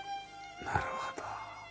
なるほど。